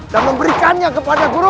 dan memberikannya kepada gurumu